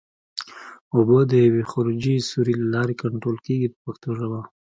اوبه د یوې خروجي سوري له لارې کنټرول کېږي په پښتو ژبه.